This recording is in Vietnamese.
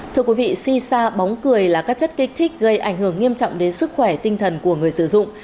thưa quý vị si sa bóng cười là các chất kích thích gây ảnh hưởng nghiêm trọng đến sức khỏe tinh thần của người sử dụng